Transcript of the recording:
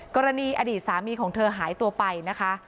กรณีอดีตสามีของเธอหายตัวไปนะคะ